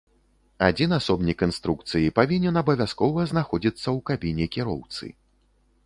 Адзін асобнік інструкцыі павінен абавязкова знаходзіцца ў кабіне кіроўцы.